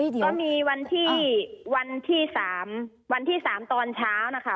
ก็มีวันที่๓ตอนเช้านะคะ